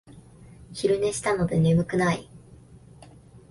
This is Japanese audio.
昼寝したので眠くない